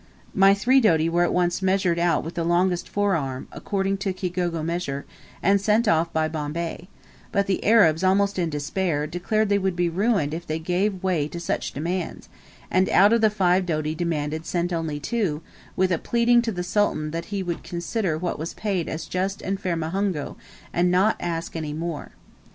My three doti were at once measured out with the longest fore arm according to Kigogo measure and sent off by Bombay; but the Arabs, almost in despair, declared they would be ruined if they gave way to such demands, and out of the five doti demanded sent only two, with a pleading to the Sultan that he would consider what was paid as just and fair Muhongo, and not ask any more.